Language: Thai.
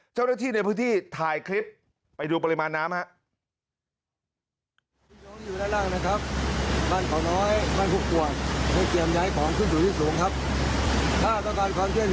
เจ้าหน้าที่ในพื้นที่ถ่ายคลิปไปดูปริมาณน้ำครับ